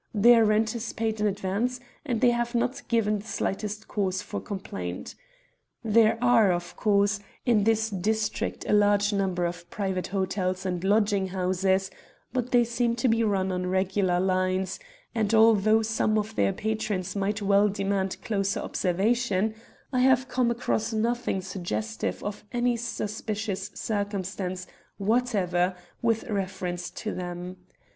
Their rent is paid in advance, and they have not given the slightest cause for complaint. There are, of course, in this district a large number of private hotels and lodging houses, but they seem to be run on regular lines, and, although some of their patrons might well demand closer observation, I have come across nothing suggestive of any suspicious circumstance whatever with reference to them.